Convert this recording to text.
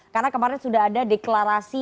karena kemarin sudah ada deklarasi